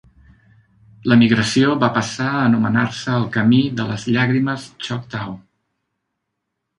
La migració va passar a anomenar-se el Camí de les Llàgrimes choctaw.